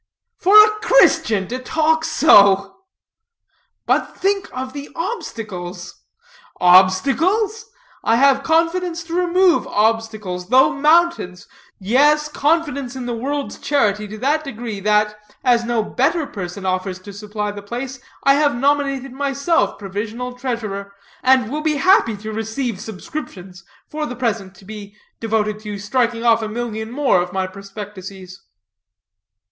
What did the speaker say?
"For a Christian to talk so!" "But think of the obstacles!" "Obstacles? I have confidence to remove obstacles, though mountains. Yes, confidence in the world's charity to that degree, that, as no better person offers to supply the place, I have nominated myself provisional treasurer, and will be happy to receive subscriptions, for the present to be devoted to striking off a million more of my prospectuses."